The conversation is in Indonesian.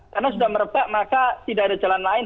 karena sudah merebak maka tidak ada jalan lain